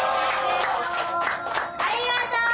ありがとう！